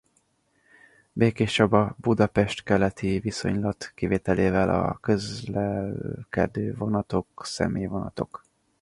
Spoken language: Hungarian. Békéscsaba–Budapest-Keleti viszonylat kivételével a közlekedő vonatok személyvonatok.